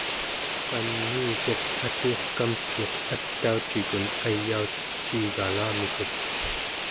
qaniiguq atu'urkamten̄ek ataucikun ayaucesciigalamikut